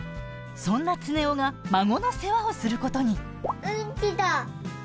そんな常雄が孫の世話をすることに。